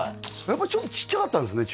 やっぱりちょっとちっちゃかったんですね